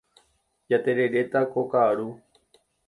Jatereréta ko ka'aru.